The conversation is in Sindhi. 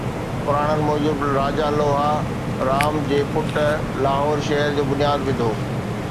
پراڻن موجب، راجا لوها، رام جي پٽ، لاهور شهر جو بنياد وڌو